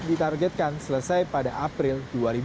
ditargetkan selesai pada april dua ribu sembilan belas